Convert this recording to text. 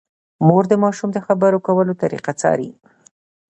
مور د ماشوم د خبرو کولو طریقه څاري۔